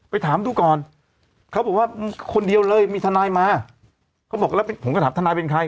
ถามดูก่อนเขาบอกว่าคนเดียวเลยมีทนายมาเขาบอกแล้วผมก็ถามทนายเป็นใคร